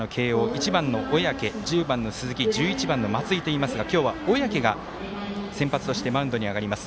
１番の小宅、１０番の鈴木１１番の松井といますが今日は小宅が先発としてマウンドに上がります。